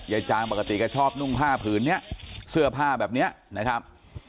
จางปกติก็ชอบนุ่งผ้าผืนนี้เสื้อผ้าแบบนี้นะครับ